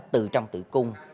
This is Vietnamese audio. từ trong tử cung